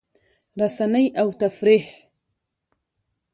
رسنۍ او تفریح